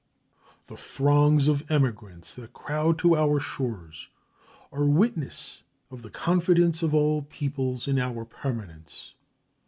The throngs of emigrants that crowd to our shores are witnesses of the confidence of all peoples in our permanence.